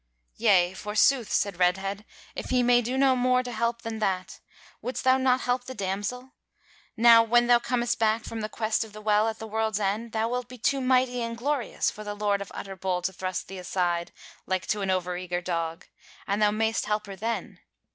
"Yea, forsooth," said Redhead, "If he may do no more to help than that! Wouldst thou not help the damsel? Now when thou comest back from the quest of the Well at the World's End, thou wilt be too mighty and glorious for the Lord of Utterbol to thrust thee aside like to an over eager dog; and thou mayst help her then.